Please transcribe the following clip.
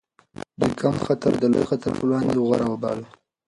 دوی کم خطر د لوی خطر پر وړاندې غوره وباله.